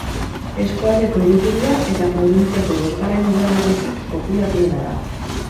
Eskualdeko hiriburua eta probintziako bosgarren udalerririk populatuena da.